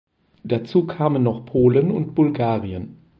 Dazu kamen noch Polen und Bulgarien.